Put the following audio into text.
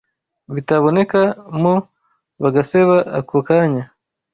bitababoneka mo bagaseba ako kanya